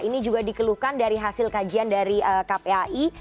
ini juga dikeluhkan dari hasil kajian dari kpai